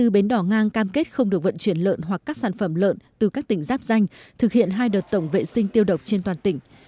hai mươi bến đỏ ngang cam kết không được vận chuyển lợn hoặc các sản phẩm lợn từ các tỉnh giáp danh thực hiện hai đợt tổng vệ sinh tiêu độc trên toàn tỉnh